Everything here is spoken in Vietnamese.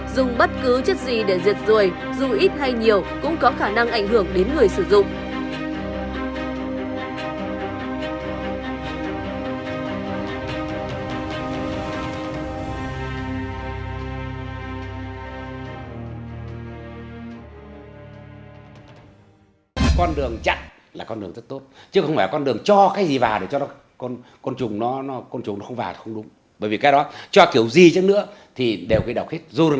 dùng bất cứ chất gì để diệt ruồi dù ít hay nhiều cũng có khả năng ảnh hưởng đến người sử dụng